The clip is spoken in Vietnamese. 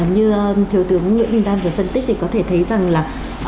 như thiếu tướng nguyễn văn đan vừa phân tích thì có thể thấy rằng là